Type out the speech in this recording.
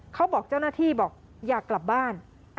บอกเจ้าหน้าที่บอกอยากกลับบ้าน